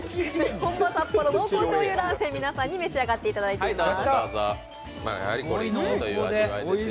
本場札幌濃厚醤油ラーメンを皆さんに召し上がっていただいています。